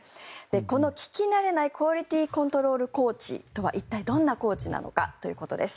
この聞きなれないクオリティー・コントロール・コーチとは一体どんなコーチなのかということです